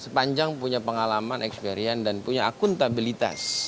sepanjang punya pengalaman experience dan punya akuntabilitas